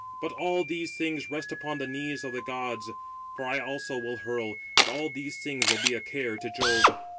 But all these things rest upon the knees of the gods; for I also will hurl, and all these things will be a care to Jove."